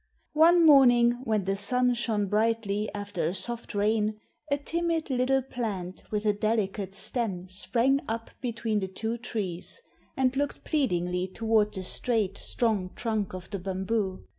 One morning when the sun shone brightly after a soft rain a timid little plant with a delicate stem sprang up between the two trees, and looked pleadingly toward the straight, strong trunk of the bamboo.